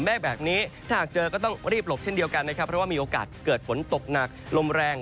แบบนี้ถ้าหากเจอก็ต้องรีบหลบเช่นเดียวกันนะครับเพราะว่ามีโอกาสเกิดฝนตกหนักลมแรง